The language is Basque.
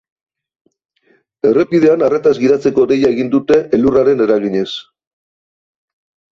Errepidean arretaz gidatzeko deia egin dute elurraren eraginez.